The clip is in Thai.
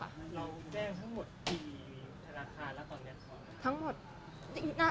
เราแจ้งทั้งหมดที่ราคาและตอนนี้ความทุกของ